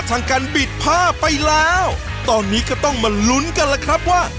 เตรียมตัว